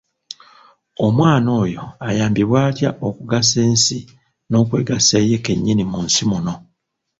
Omwana oyo ayambibwe atya okugasa ensi n’okwegasa ye kennyini mu nsi muno?